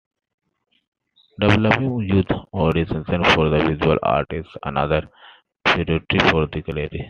Developing youth audiences for visual art is another priority for the Gallery.